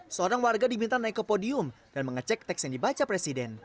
seorang warga diminta naik ke podium dan mengecek teks yang dibaca presiden